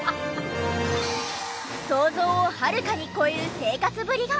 想像をはるかに超える生活ぶりが。